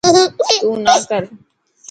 تون نا ڪر.